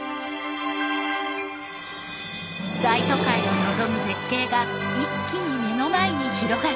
大都会を望む絶景が一気に目の前に広がるのです。